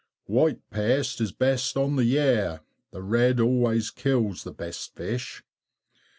White paste is best on the Yare, the red always kills the best fish.